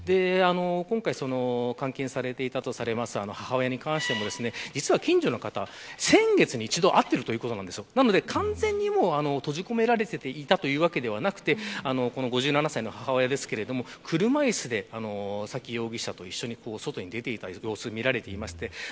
今回、監禁されていたとする母親に関しても近所の方は、先月に一度会っているということでなので、完全に閉じ込められていたというわけではなくて５７歳の母親ですが車いすで、沙喜容疑者と外に出る様子が見られています。